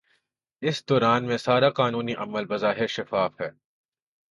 اس دوران میں سارا قانونی عمل بظاہر شفاف ہے۔